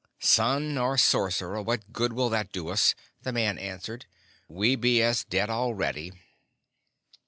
"Son or sorcerer, what good will that do us?" the man answered. "We be as dead already."